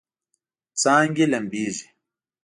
څانګې لمبیږي